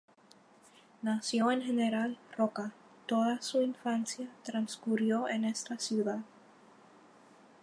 Nació en General Roca, toda su infancia transcurrió en esta ciudad.